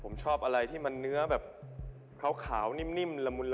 ผมชอบอะไรที่มันเนื้อแบบขาวนิ่มละมุนละ